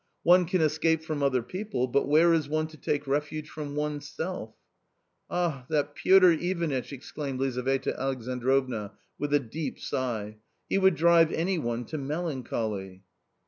One can escape from other people, but where is one to take refuge from oneself? "" Ah, that Piotr Ivanitch !" exclaimed Lizaveta Alexan drovna with a deep sigh; "he would drive any one to melancholy